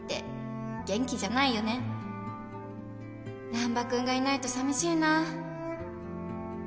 「難破君がいないとさみしいな」